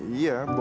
aku mau ke rumah